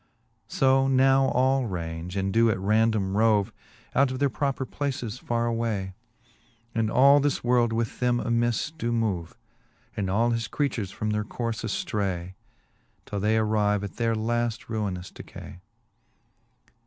So now all range, and doe at random rove Out of their proper places farre away. And all this world with them amifs doe move, And all his creatures from their courfe aftray, Till they arrive at their lafl ruinous decay.